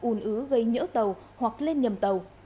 ùn ứ gây nhỡ tàu hoặc lên nhầm tàu